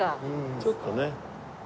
ちょっとね。